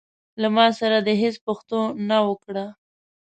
له ما سره دي هيڅ پښتو نه وکړه.